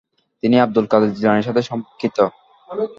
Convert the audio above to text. তিনি আব্দুল কাদের জিলানীর সাথে সম্পর্কিত।